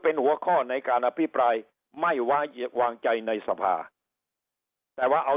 เป็นหัวข้อในการอภิปรายไม่ไว้วางใจในสภาแต่ว่าเอา